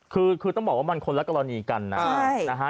คือต้องบอกว่ามันคนละกรณีกันนะนะฮะ